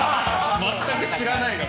全く知らないのに。